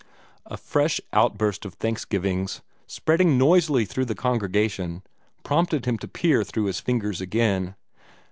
A fresh outburst of thanksgivings, spreading noisily through the congregation, prompted him to peer through his fingers again.